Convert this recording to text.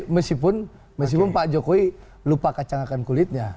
meskipun pak jokowi lupa kacangakan kulitnya